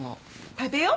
食べよう。